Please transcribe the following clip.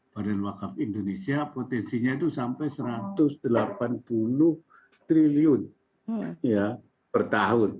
badan wakaf indonesia potensinya itu sampai satu ratus delapan puluh triliun per tahun